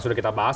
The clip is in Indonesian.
sudah kita bahas